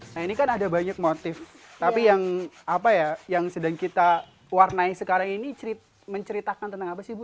nah ini kan ada banyak motif tapi yang apa ya yang sedang kita warnai sekarang ini menceritakan tentang apa sih bu